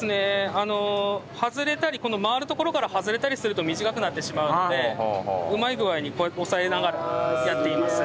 あの外れたりこの回るところから外れたりすると短くなってしまうのでうまい具合に押さえながらやっています。